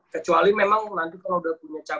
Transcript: kecuali memang nanti kalau udah punya cabang dua